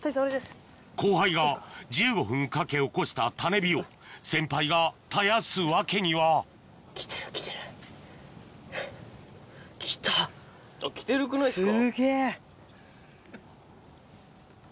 後輩が１５分かけおこした種火を先輩が絶やす訳には来てるくないですか？